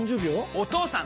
お義父さん！